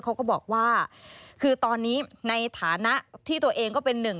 เขาก็บอกว่าคือตอนนี้ในฐานะที่ตัวเองก็เป็นหนึ่ง